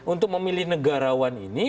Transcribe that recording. untuk memilih negarawan ini